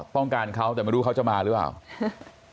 ต้องการเขาแต่ไม่รู้เขาจะมาหรือเปล่า